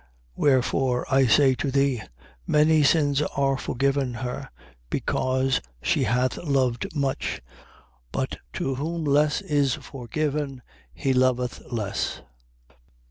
7:47. Wherefore, I say to thee: Many sins are forgiven her, because she hath loved much. But to whom less is forgiven, he loveth less.